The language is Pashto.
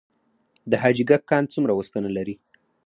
د حاجي ګک کان څومره وسپنه لري؟